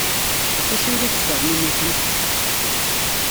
Ɣef wacu ay la tettferniniḥemt?